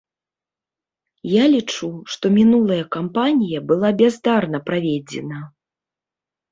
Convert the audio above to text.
Я лічу, што мінулая кампанія была бяздарна праведзена.